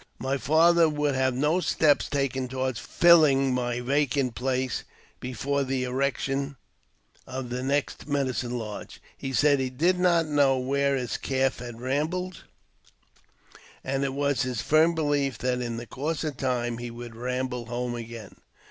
My father would have no steps taken toward filling my vacant place before the erection of the next medicine lodge. He said he did not know where his Calf had rambled, and it was his firm belief that in the course of time he would ramble home again.